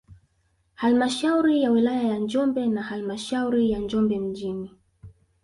Halmashauri ya wilaya ya Njombe na halmashauri ya Njombe mjini